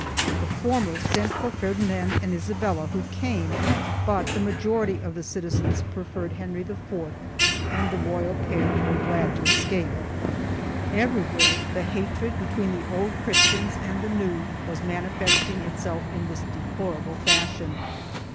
The former sent for Ferdinand and Isabella who came, but the majority of the citizens preferred Henry IV and the royal pair were glad to escape.3 Everywhere the hatred between the Old Christians and the New was manifesting itself in this deplorable fashion.